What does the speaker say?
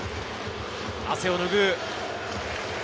汗を拭う。